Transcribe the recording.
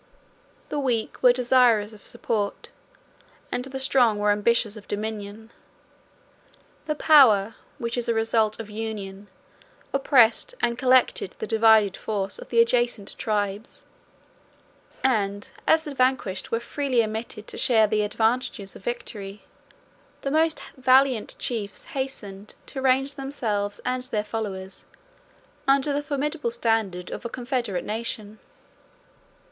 The weak were desirous of support, and the strong were ambitious of dominion; the power, which is the result of union, oppressed and collected the divided force of the adjacent tribes; and, as the vanquished were freely admitted to share the advantages of victory, the most valiant chiefs hastened to range themselves and their followers under the formidable standard of a confederate nation.